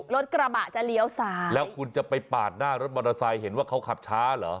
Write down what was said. รถกระบะจะเลี้ยวซ้ายแล้วคุณจะไปปาดหน้ารถมอเตอร์ไซค์เห็นว่าเขาขับช้าเหรอ